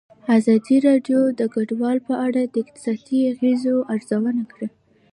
ازادي راډیو د کډوال په اړه د اقتصادي اغېزو ارزونه کړې.